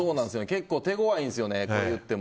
結構手ごわいんですよね。